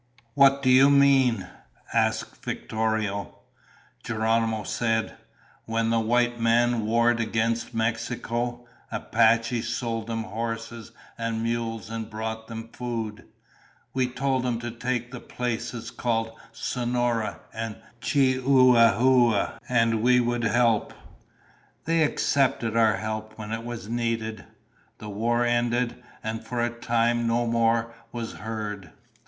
"What do you mean?" asked Victorio. Geronimo said, "When the white men warred against Mexico, Apaches sold them horses and mules and brought them food. We told them to take the places called Sonora and Chihuahua and we would help. They accepted our help when it was needed. The war ended and for a time no more was heard.